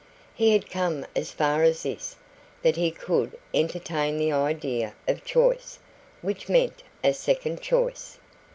He had come as far as this that he could entertain the idea of choice, which meant a second choice.